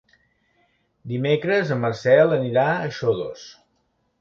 Dimecres en Marcel anirà a Xodos.